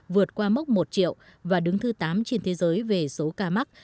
vượt qua mốc một triệu và đứng thứ tám trên thế giới về số ca mắc